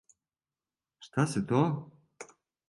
Шта се то?